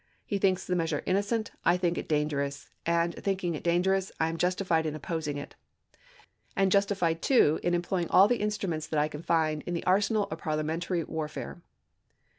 He thinks the measure innocent ; I think it dangerous ; and, thinking it dangerous, I am justified in opposing it ; and justified, too, in employing all the instruments that I can find in the arsenal of parliamentary war fare."